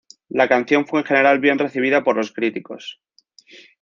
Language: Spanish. La canción fue en general bien recibida por los críticos.